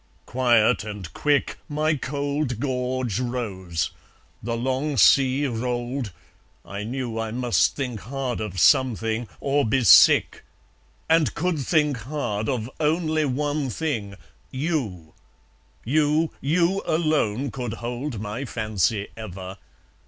Quiet and quick My cold gorge rose; the long sea rolled; I knew I must think hard of something, or be sick; And could think hard of only one thing YOU! You, you alone could hold my fancy ever!